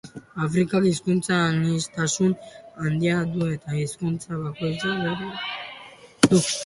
Afrikak hizkuntza-aniztasun handia du eta hizkuntza bakoitzak bere literatura du.